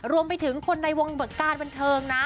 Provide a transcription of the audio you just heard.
รวมไปถึงคนในวงการบันเทิงนะ